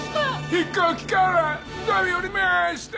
飛行機から飛び降りました。